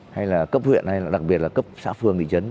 hay là cấp huyện hay là đặc biệt là cấp xã phương nghị dân